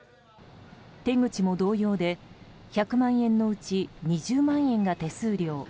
手口も同様で、１００万円のうち２０万円が手数料。